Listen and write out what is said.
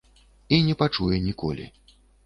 І не пачуе ніколі.